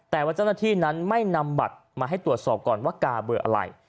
แต่ว่าเจ้าหน้าที่นั้นไม่นำบัตรมาให้ตรวจสอบก่อนว่ากาเบอร์อะไร